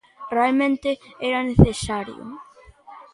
Realmente era necesario?